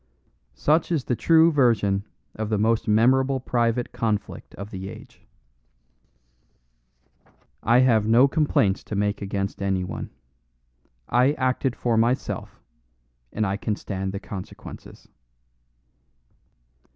Such is the true version of the most memorable private conflict of the age. I have no complaints to make against any one. I acted for myself, and I can stand the consequences.